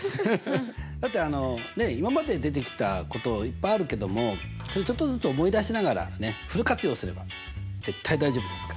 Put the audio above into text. だって今まで出てきたこといっぱいあるけどもそれちょっとずつ思い出しながらねフル活用すれば絶対大丈夫ですから。